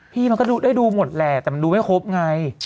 มันก็ได้ดูหมดแหละแต่มันดูไม่ครบไง